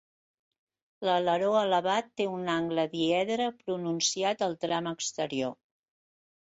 L'aleró elevat té un angle diedre pronunciat al tram exterior.